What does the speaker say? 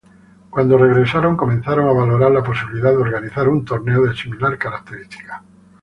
Cuando regresaron comenzaron a valorar la posibilidad de organizar un torneo de similar características.